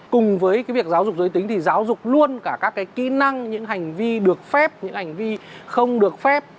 cùng với việc giáo dục giới tính thì giáo dục luôn cả các cái kỹ năng những hành vi được phép những hành vi không được phép